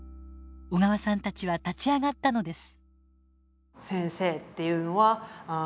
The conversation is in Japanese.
小川さんたちは立ち上がったのです。